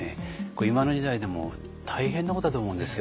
今の時代でも大変なことだと思うんですよ。